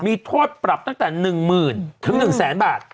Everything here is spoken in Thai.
มีโทษปรับตั้งแต่๑๐๐๐ถึง๑แสนบาท